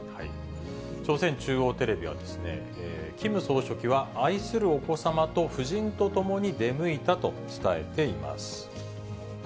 朝鮮中央テレビはキム総書記は、愛するお子様と夫人と共に出向いたと伝えています。